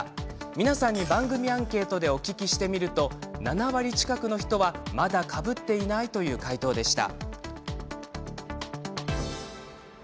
皆さんに番組アンケートでお聞きしてみると７割近くの人はまだかぶっていないという回答でした。